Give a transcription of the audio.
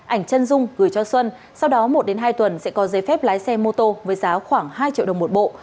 ảnh chân dung gửi cho xuân sau đó một hai tuần sẽ có giấy phép lái xe mô tô với giá khoảng hai triệu đồng một bộ